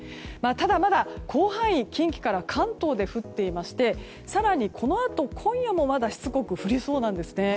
ただ、まだ広範囲の近畿から関東まで降っていますし更に、このあと今夜もしつこく降りそうなんですね。